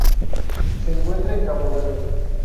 Se encuentra en Cabo Verde.